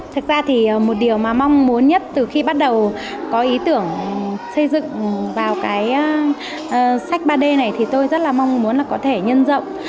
thực ra thì một điều mà mong muốn nhất từ khi bắt đầu có ý tưởng xây dựng vào cái sách ba d này thì tôi rất là mong muốn là có thể nhân rộng